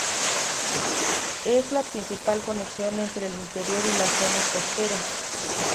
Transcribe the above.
Es la principal conexión entre el interior y la zona costera.